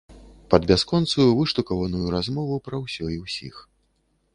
Пад бясконцую выштукаваную размову пра ўсё і ўсіх.